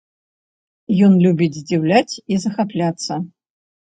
Ён любіць здзіўляць і захапляцца.